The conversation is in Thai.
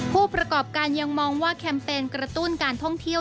ผู้ประกอบการยังมองว่าแคมเปญกระตุ้นการท่องเที่ยว